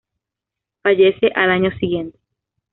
Fallece al año siguiente.